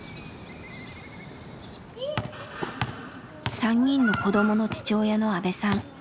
３人の子どもの父親の阿部さん。